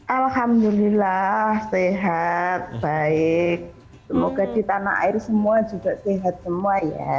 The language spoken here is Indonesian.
alhamdulillah sehat baik semoga di tanah air semua juga sehat semua ya